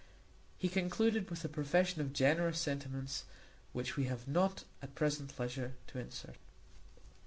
He concluded with a profession of generous sentiments, which we have not at present leisure to insert.